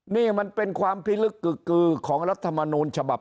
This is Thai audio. นี่มันเป็นความพิลึกกึกกือของรัฐมนูลฉบับ